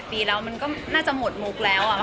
ปีแล้วมันก็น่าจะหมดมุกแล้ว